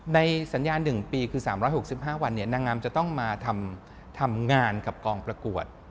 ในสัญญา๑ปีคือ๓๖๕วันนางงามจะต้องมาทำงานกับกองประกวด